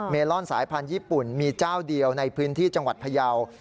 ลอนสายพันธุ์ญี่ปุ่นมีเจ้าเดียวในพื้นที่จังหวัดพยาว